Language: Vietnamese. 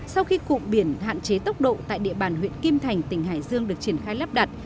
sau khi cụm biển hạn chế tốc độ tại địa bàn huyện kim thành tỉnh hải dương được triển khai lắp đặt